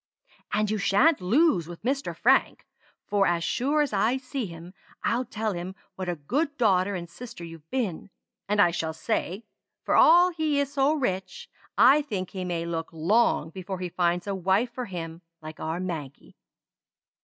And you shan't lose with Mr. Frank, for as sure as I see him I'll tell him what a good daughter and sister you've been; and I shall say, for all he is so rich, I think he may look long before he finds a wife for him like our Maggie.